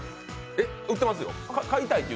売ってますよ。